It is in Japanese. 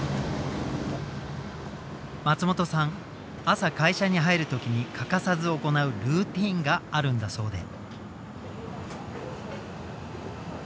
朝会社に入る時に欠かさず行うルーティーンがあるんだそうで。